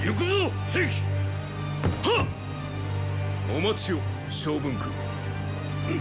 お待ちを昌文君。！